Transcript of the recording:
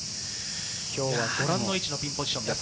今日はご覧の位置のピンポジションです。